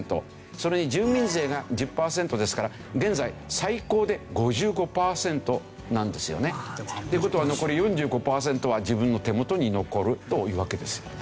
それに住民税が１０パーセントですから現在最高で５５パーセントなんですよね。という事は残り４５パーセントは自分の手元に残るというわけですよね。